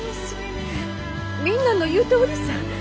みんなの言うとおりさ。